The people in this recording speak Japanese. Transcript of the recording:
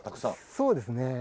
そうですね。